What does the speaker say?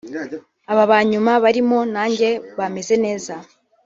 aba banyuma barimo nanjye bameze neza